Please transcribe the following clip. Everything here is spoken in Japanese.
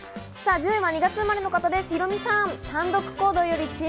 １０位は２月生まれの方、ヒロミさん。